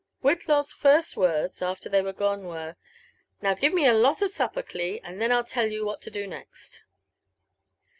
Whitlaw's first words, afler they were gpne, were— *• Now give me a lot of supper, Cli — and then Til tell you what to do next."